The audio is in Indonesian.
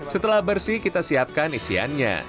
setelah bersih kita siapkan isiannya